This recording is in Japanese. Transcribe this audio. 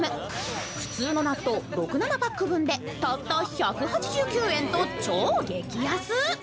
普通の納豆６７パック分で、たった１８９円と超激安。